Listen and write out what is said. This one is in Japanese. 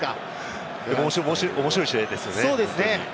面白い試合ですね。